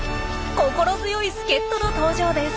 心強い助っ人の登場です。